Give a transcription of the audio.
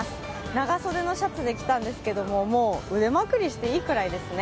長袖のシャツで来たんですけど、腕まくりしてもいいくらいですね。